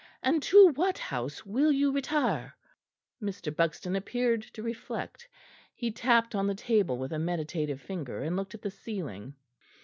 And to what house will you retire?" Mr. Buxton appeared to reflect; he tapped on the table with a meditative finger and looked at the ceiling.